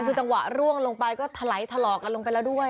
คือจังหวะร่วงลงไปก็ถลายถลอกกันลงไปแล้วด้วย